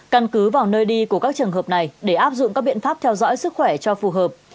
căn cứ vào nơi đi của các trường hợp này để áp dụng các biện pháp theo dõi sức khỏe cho phù hợp